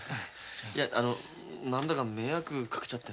いやあの何だか迷惑かけちゃって。